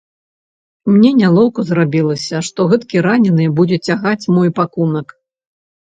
Мне нялоўка зрабілася, што гэткі ранены будзе цягаць мой пакунак.